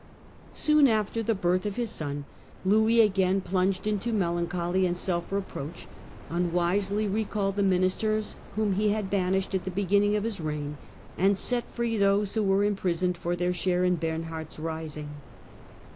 Soon after the birth of his son, Louis, again plunged into melancholy and self reproach, unwisely recalled the ministers whom he had banished at the beginning of his reign, and set free those who were imprisoned for their share in Bernhard's rising.